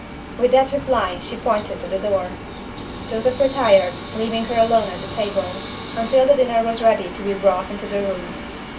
With that reply she pointed to the door. Joseph retired, leaving her alone at the table, until the dinner was ready to be brought into the room.